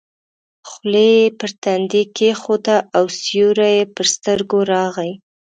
خولۍ یې پر تندي کېښوده او سیوری یې پر سترګو راغی.